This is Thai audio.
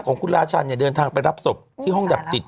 ของคุณราชัณฑ์เนี้ยเดินทางไปรับศพอื้มทาร็าก